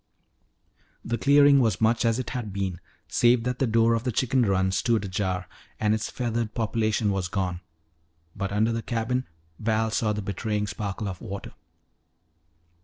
The clearing was much as it had been, save that the door of the chicken run stood ajar and its feathered population was gone. But under the cabin Val saw the betraying sparkle of water.